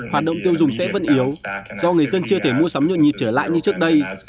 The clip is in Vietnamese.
hoạt động tiêu dùng sẽ vẫn yếu do người dân chưa thể mua sắm nhuận nhịp trở lại như trước đây